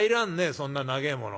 そんな長えもの。